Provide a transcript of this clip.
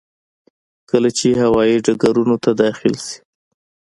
کله چې هوايي ډګرونو ته داخل شي.